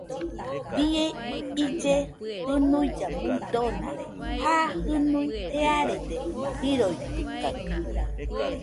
Bie ille junuilla muidona, ja jɨnui jearede jiroitɨkaɨ